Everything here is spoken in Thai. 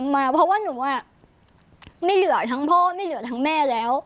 มาเพราะว่าหนูไม่เหลือทั้งพ่อไม่เหลือทั้งแม่แล้ว